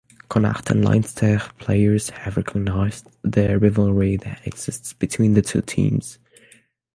Connacht and Leinster players have recognized the rivalry that exists between the two teams.